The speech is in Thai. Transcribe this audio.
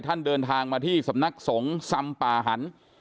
ท่านเดินทางมาที่สำนักสงสัมปาหัน